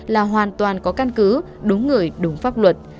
là hoàn toàn có căn cứ đúng người đúng pháp luật